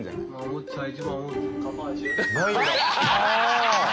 ないんだ！